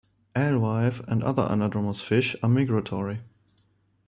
Alewife and other anadromous fish are migratory.